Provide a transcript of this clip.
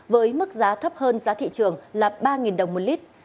với mức giá thấp hơn giá thị trường là ba đồng một lít